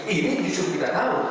ini justru kita tahu